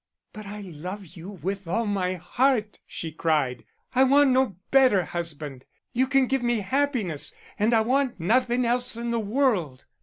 "But I love you with all my heart," she cried. "I want no better husband; you can give me happiness, and I want nothing else in the world."